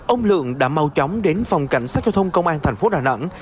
ông lượng đã mau chóng đến phòng cảnh sát giao thông công an thành phố đà nẵng